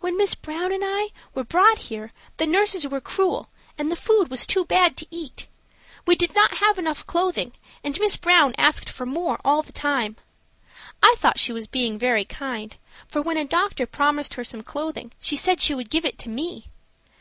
"When Miss Brown and I were brought here the nurses were cruel and the food was too bad to eat. We did not have enough clothing, and Miss Brown asked for more all the time. I thought she was very kind, for when a doctor promised her some clothing she said she would give it to me.